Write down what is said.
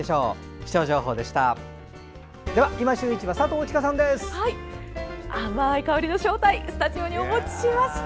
気象情報でした。